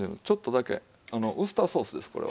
ちょっとだけウスターソースです